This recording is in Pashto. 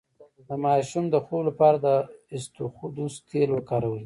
د ماشوم د خوب لپاره د اسطوخودوس تېل وکاروئ